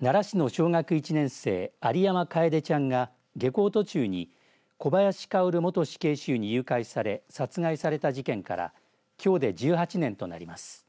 奈良市の小学１年生有山楓ちゃんが下校途中に小林薫元死刑囚に誘拐され殺害された事件からきょうで１８年となります。